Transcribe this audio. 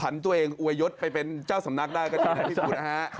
พันธุ์ตัวเองอวยยดไปเป็นเจ้าสำนักได้ก็ได้ครับ